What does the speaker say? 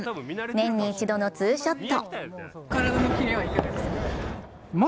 年に一度のツーショット。